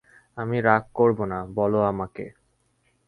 আমি রাগ করব না, বলো আমাকে।